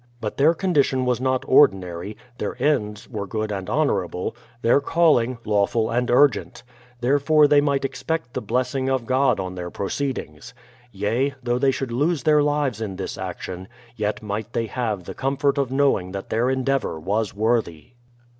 But their condition was not ordinary; their ends were good and honourable; their calling, lawful and urgent; therefore they might expect the blessing of God on their proceedings. Yea, though they should lose their lives in this action, yet might they have the comfort of knowing that their endeavour was worthy.